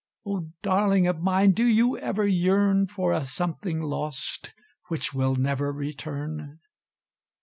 O darling of mine, do you ever yearn For a something lost, which will never return?